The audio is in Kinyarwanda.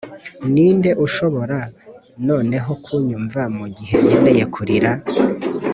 ninde ushobora noneho kunyumva mugihe nkeneye kurira?